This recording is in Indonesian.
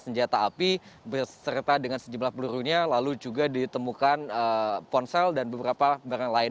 senjata api berserta dengan sejumlah pelurunya lalu juga ditemukan ponsel dan beberapa barang lain